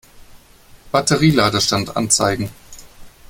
Batterie-Ladestand anzeigen.